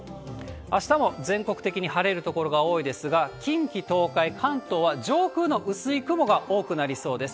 あしたも全国的に晴れる所が多いですが、近畿、東海、関東は上空の薄い雲が多くなりそうです。